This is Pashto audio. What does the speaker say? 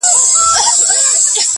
په دوږخ کي هم له تاسي نه خلاصېږو!!..